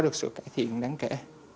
được sự cải thiện đáng kể